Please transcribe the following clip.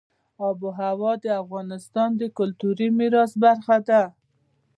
آب وهوا د افغانستان د کلتوري میراث برخه ده.